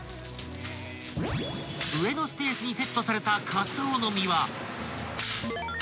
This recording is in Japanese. ［上のスペースにセットされたかつおの身は］